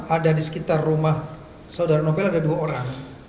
ada di sekitar rumah saudara novel ada dua orang